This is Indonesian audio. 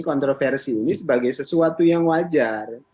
kontroversi ini sebagai sesuatu yang wajar